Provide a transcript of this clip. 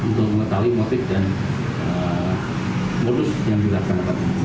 untuk mengetahui motif dan modus yang dilakukan